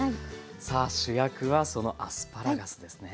さあ主役はそのアスパラガスですね。